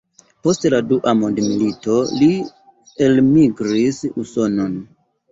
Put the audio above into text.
Post la dua mondmilito li elmigris Usonon.